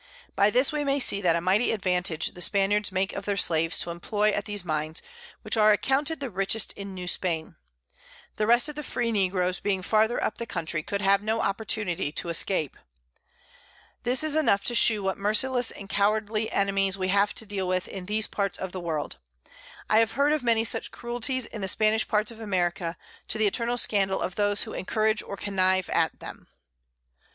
By this we may see what a mighty Advantage the Spaniards make of their Slaves to imploy at these Mines, which are accounted the richest in New Spain. The rest of the free Negroes being farther up the Country, could have no Opportunity to escape. This is enough to shew what merciless and cowardly Enemies we have to deal with in these Parts of the World. I have heard of many such Cruelties in the Spanish Parts of America, to the eternal Scandal of those who encourage or connive at them.